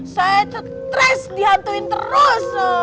saya tetres dihantuin terus